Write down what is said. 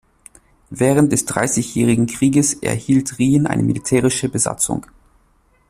Während des Dreissigjährigen Krieges erhielt Riehen eine militärische Besatzung.